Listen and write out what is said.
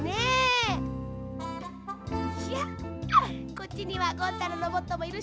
こっちにはゴン太のロボットもいるし。